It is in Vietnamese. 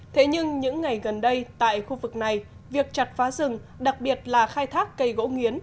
thế nhưng những ngày gần đây tại khu vực này việc chặt phá rừng đặc biệt là khai thác cây gỗ nghiến